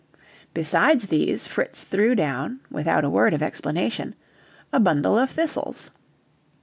Besides these, Fritz threw down, without a word of explanation, a bundle of thistles.